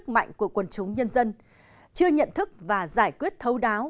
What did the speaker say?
mạnh của quần chúng nhân dân chưa nhận thức và giải quyết thấu đáo